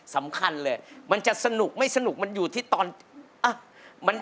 สำคัญเลยมันจะสนุกไม่สนุกมันอยู่ที่ตอนอ่ะ